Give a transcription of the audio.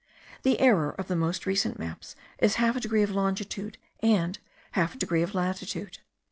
The error of the most recent maps is half a degree of longitude and half a degree of latitude.